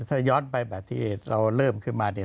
ถ้าย้อนไปแบบที่เราเริ่มขึ้นมาเนี่ย